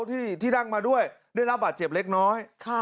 ที่นั่งมาด้วยได้รับบาดเจ็บเล็กน้อย